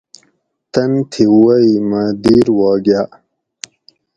تن تھی ووئ مٞہ دِیر وا گاٞ